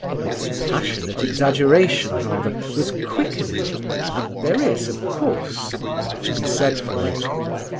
Its passionate exaggeration, however, was quickening, and there is, of course, something to be said for it.